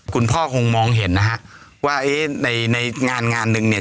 คุณพ่อคงมองเห็นนะฮะว่าเอ๊ะในในงานงานหนึ่งเนี่ย